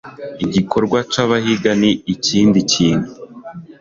igikorwa c'abahiga ni ikindi kintu